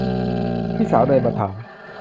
พี่สาวเดินมาถาม